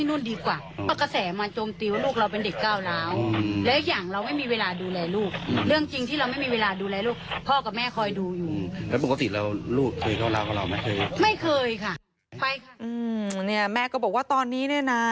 เนี่ยแม่ก็บอกว่าตอนนี้เนี่ยนะ